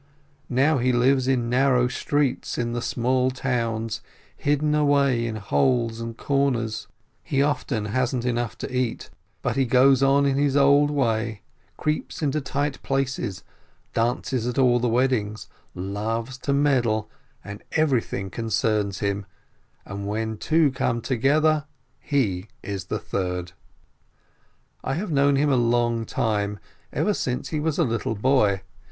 Now he lives in narrow streets, in the small towns, hidden away in holes and corners. He very often hasn't enough to eat, but he goes on in his old way, creeps into tight places, dances at all the weddings, loves to meddle, everything concerns him, and where two come together, he is the third. I have known him a long time, ever since he was a little boy.